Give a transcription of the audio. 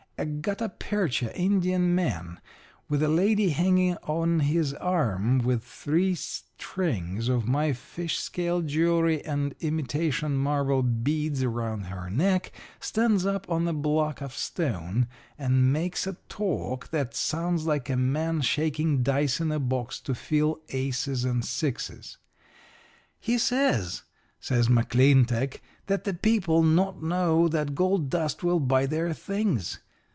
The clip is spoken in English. "A gutta percha Indian man, with a lady hanging on his arm, with three strings of my fish scale jewelry and imitation marble beads around her neck, stands up on a block of stone and makes a talk that sounds like a man shaking dice in a box to fill aces and sixes. "'He says,' says McClintock, 'that the people not know that gold dust will buy their things.